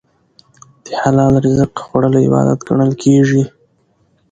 د حلال رزق خوړل عبادت ګڼل کېږي.